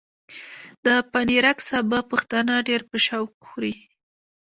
د پنېرک سابه پښتانه ډېر په شوق خوري۔